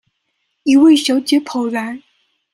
一位小姐跑來